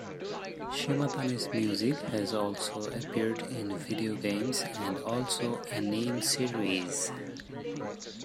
Shimatani's music has also appeared in video games and also anime series.